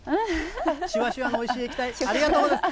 しゅわしゅわのおいしい液体、ありがとうございます。